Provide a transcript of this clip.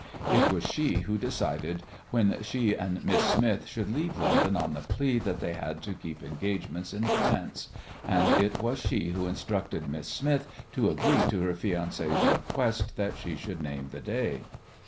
It was she who decided when she and Miss Smith should leave London on the plea that they had to keep engagements in France, and it was she who instructed Miss Smith to agree to her fiancé's request that she should name the day.